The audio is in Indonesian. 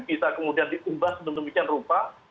bisa kemudian diubah sebendungkian rupa